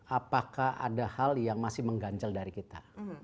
apakah ada hal yang masih menggancel dari kita